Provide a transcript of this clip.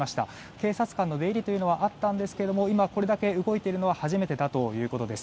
警察官の出入りというのはあったんですけども今これだけ動いているのは初めてだということです。